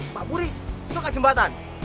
mbak buri suka jembatan